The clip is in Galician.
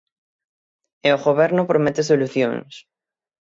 E o Goberno promete solucións.